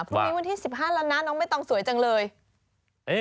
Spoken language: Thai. พรุ่งนี้วันที่๑๕แล้วนะน้องใบตองสวยจังเลย